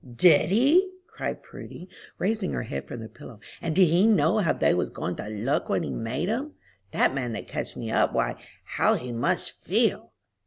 "Did he?" cried Prudy, raising her head from the pillow. "And did he know how they was goin' to look when he made 'em? That man that catched me up, why, how he must feel!"